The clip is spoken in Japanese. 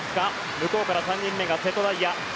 向こうから３人目が瀬戸大也。